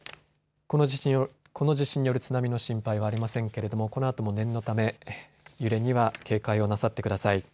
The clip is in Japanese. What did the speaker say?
この地震による津波の心配はありませんけれどもこのあとも念のため揺れには警戒をなさってください。